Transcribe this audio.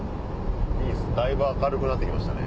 だいぶ明るくなって来ましたね。